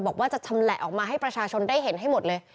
บอกว่าจะชำแหละออกมาให้ประชาชนได้เห็นให้หมดเลย